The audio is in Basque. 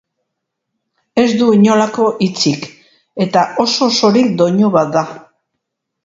Ez du inolako hitzik eta oso-osorik doinu bat da.